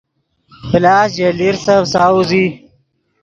پلاس ژے لیرسف ساؤز ای